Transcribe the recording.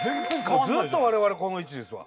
ずっとわれわれこの位置ですわ。